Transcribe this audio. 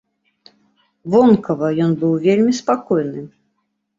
Вонкава ён быў вельмі спакойны.